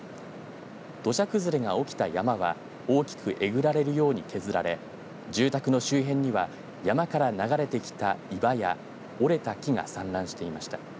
土砂崩れが起きた山は大きくえぐられるように削られ住宅の周辺には山から流れてきた岩や折れた木が散乱していました。